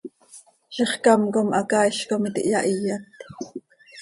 Zixcám com hacaaiz com iti hyahiyat.